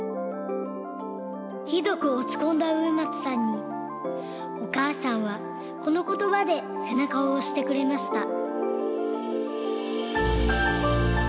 ひどくおちこんだ植松さんにおかあさんはこのことばでせなかをおしてくれました。